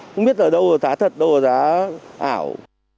không biết là đâu là giá thật đâu là giá ảo